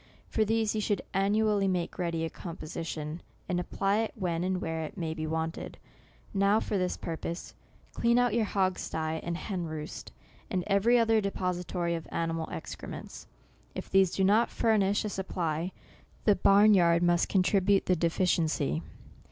For these, you should annually make ready a composition, and apply it when and where it may be want ed. Now, for this purpose, clean out your hog sty and hen roost, and every other de pository of animal excrements. If these do not furnish a supply, the barn yard must con tribute the deficiency.